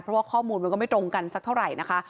เพราะว่าข้อมูลมันก็ไม่ตรงกันสักเท่าไหร่นะคะ